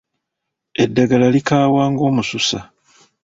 Eddagala likaawa nga omususa.